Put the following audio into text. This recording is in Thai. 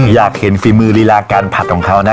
อยากเห็นฝีมือลีลาการผัดของเขานะ